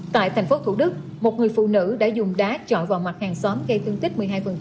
tại thành phố thủ đức một người phụ nữ đã dùng đá chọn vào mặt hàng xóm gây thương tích một mươi hai